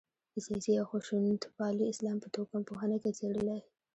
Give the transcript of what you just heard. د سیاسي او خشونتپالي اسلام په توکم پوهنه کې څېړلای.